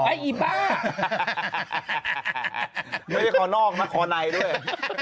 ไม่ได้คอนอกมันคอในด้วย